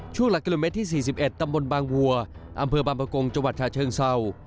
ช่วงหลักกรมเมตรที่๔๑ตำบลบางวัวอำเภอบาปกงศ์จังหวัดฉะเชิงเศร้า